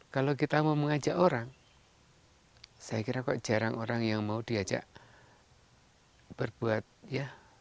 kalau kita mau mengajak orang saya kira kok jarang orang yang mau diajak berbuat ya